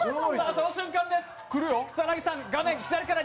その瞬間です。